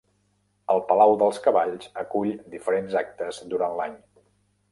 El Palau dels cavalls acull diferents actes durant l'any.